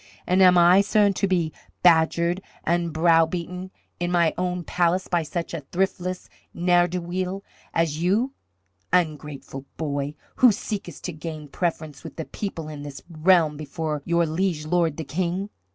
"And am I, sirrah, to be badgered and browbeaten in my own palace by such a thriftless ne'er do weel as you, ungrateful boy, who seekest to gain preference with the people in this realm before your liege lord the King?